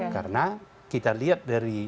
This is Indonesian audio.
karena kita lihat dari